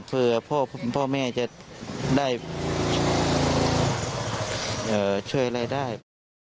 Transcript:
เผื่อพ่อพ่อแม่จะได้เอ่อช่วยอะไรได้